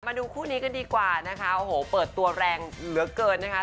มาดูคู่นี้กันดีกว่านะคะโอ้โหเปิดตัวแรงเหลือเกินนะคะ